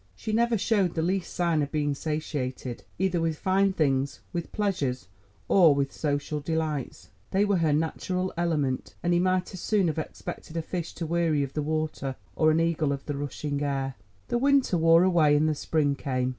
She never showed the least sign of being satiated, either with fine things, with pleasures, or with social delights. They were her natural element, and he might as soon have expected a fish to weary of the water, or an eagle of the rushing air. The winter wore away and the spring came.